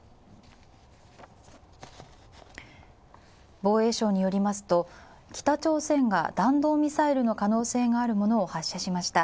防衛省によりますと北朝鮮が弾道ミサイルの可能性があるものを発射しました。